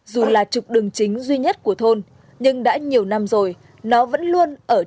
dù là trục đường chính duy nhất của thôn nhưng đã nhiều năm rồi nó vẫn luôn ở trong tình trạng xuống